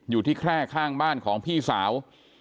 อยู่ที่แคร่ข้างบ้านของพี่สาว